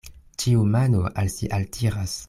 Ĉiu mano al si altiras.